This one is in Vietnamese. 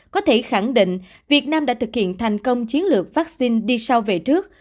có thể khẳng định việt nam đã thực hiện thành công chiến lược vaccine đi sau về trước